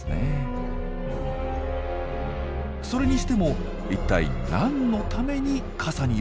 それにしても一体何のために傘に化けるんでしょう？